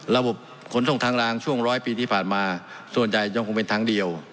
ระบบขนส่งทางรางช่วงร้อยปีที่ผ่านมาส่วนใหญ่ยังคงเป็นทางเดียว